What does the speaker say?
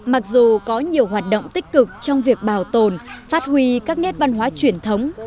mặc dù có nhiều hoạt động tích cực trong việc bảo tồn phát huy các nét văn hóa truyền thống